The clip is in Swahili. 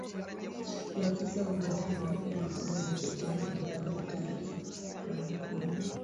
maafisa wa maeneo ya afya ya mifugo wanaoshirikiana na watoaji taarifa za magonjwa